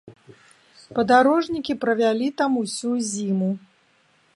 Падарожнікі правялі там усю зіму.